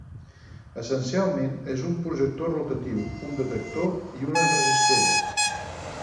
Essencialment és un projector rotatiu, un detector, i un enregistrador.